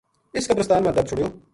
اس قبرستان ما دَب چھُڑیو